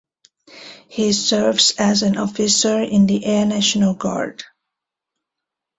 He serves as an officer in the Air National Guard.